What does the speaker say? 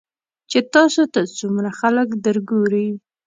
چې تاسو ته څومره خلک درګوري .